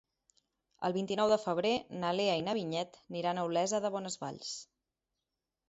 El vint-i-nou de febrer na Lea i na Vinyet iran a Olesa de Bonesvalls.